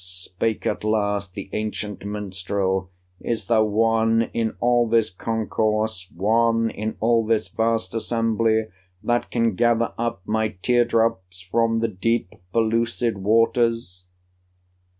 Spake at last the ancient minstrel: "Is there one in all this concourse, One in all this vast assembly That can gather up my tear drops From the deep, pellucid waters?"